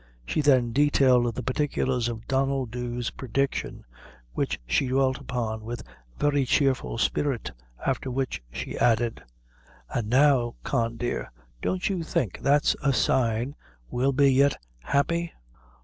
She then detailed the particulars of Donnel Dhu's prediction, which she dwelt upon with a very cheerful spirit, after which she added: "And now, Con dear, don't you think that's a sign we'll be yet happy?"